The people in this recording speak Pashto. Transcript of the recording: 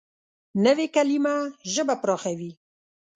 نوې کلیمه ژبه پراخوي